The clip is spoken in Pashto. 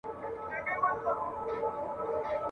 د سرتورو انګولا ده د بګړیو جنازې دي ..